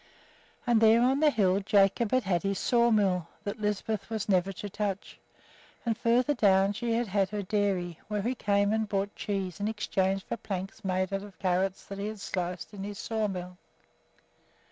And there on the hill Jacob had had his sawmill, that Lisbeth was never to touch; and farther down she had had her dairy, where he came and bought cheese in exchange for planks made out of carrots that he had sliced in his sawmill.